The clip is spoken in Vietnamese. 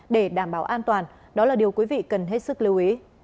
để đảm bảo an toàn đó là điều quý vị cần hết sức lưu ý